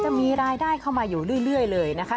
จะมีรายได้เข้ามาอยู่เรื่อยเลยนะคะ